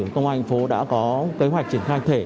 công an thành phố đã có kế hoạch triển khai thể